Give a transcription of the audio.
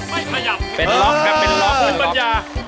ไม่ขยับเป็นล็อกแบบเป็นล็อกเลยปัญญา